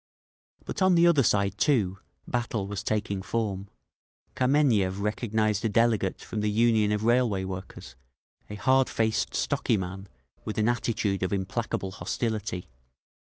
But on the other side, too, battle was taking form. Kameniev recognised a delegate from the Union of Railway Workers, a hardfaced, stocky man with an attitude of implacable hostility.